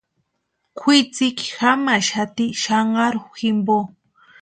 Kwʼitsiki jamaxati xanharu jimpo.